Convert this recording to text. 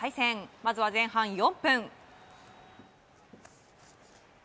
まずは前半４分。